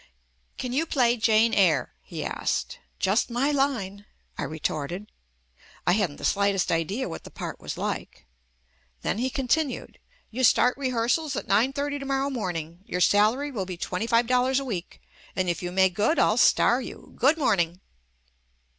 "Can you play 'Jane Eyre,' " he asked. "Just my line," I retorted. I hadn't the slightest idea what the part was like. Then he continued, /\You start rehearsals at nine thirty to mor JUST ME row morning. Your salary will be twenty five dollars a week, and if you make good I'll star you. Good morning!"